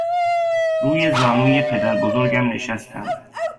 روی زانوی پدربزرگم نشستم.